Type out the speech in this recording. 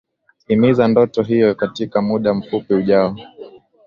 imiza ndoto hiyo katika muda mfupi ujao